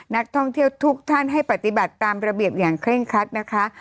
นักท่องเที่ยวทุกท่านให้ปฏิบัติตามระเบียบอย่างเคร่งคัดนะคะ